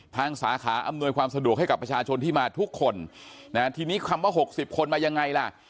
สาขาอำนวยความสะดวกให้กับประชาชนที่มาทุกคนนะฮะทีนี้คำว่า๖๐คนมายังไงล่ะ